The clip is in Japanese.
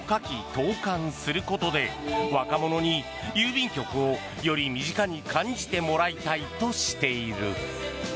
投函することで若者に郵便局をより身近に感じてもらいたいとしている。